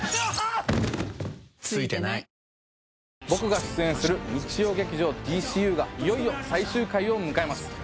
僕が出演する日曜劇場「ＤＣＵ」がいよいよ最終回を迎えます